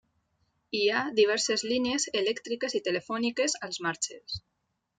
Hi ha diverses línies elèctriques i telefòniques als marges.